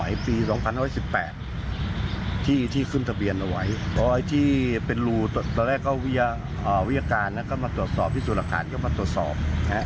วิทยาการก็มาตรวจสอบที่ศูนย์อาคารก็มาตรวจสอบ